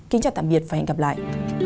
kính chào tạm biệt và hẹn gặp lại